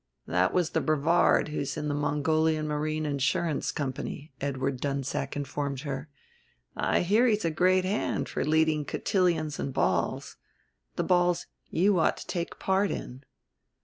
"That was the Brevard who's in the Mongolian Marine Insurance Company," Edward Dunsack informed her. "I hear he's a great hand for leading cotillions and balls the balls you ought to take part in."